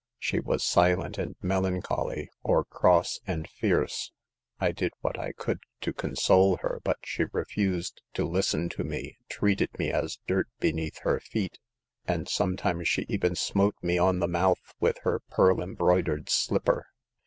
She was silent and melancholy, or cross and fierce. I did what I could to console her, but she refused to listen to me, treated me as dirt beneath her feet, and sometimes she even smote me on the mouth with her pearl embroidered slipper.